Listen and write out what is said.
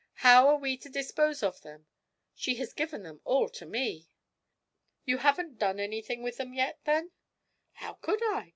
How are we to dispose of them? She has given them all to me.' 'You haven't done anything with them yet, then?' 'How could I?